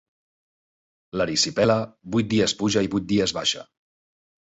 L'erisipela, vuit dies puja i vuit dies baixa.